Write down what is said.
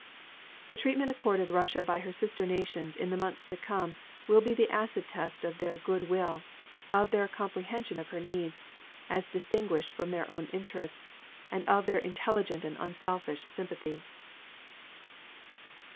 The treatment accorded Russia by her sister nations in the months to come will be the acid test of their good will, of their comprehension of her needs, as distinguished from their own interests, and of their intelligent and unselfish sympathy.